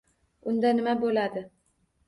Unda nima bo’ladi?